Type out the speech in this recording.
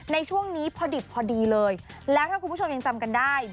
ในช่วงนี้พอดิบพอดีเลยแล้วถ้าคุณผู้ชมยังจำกันได้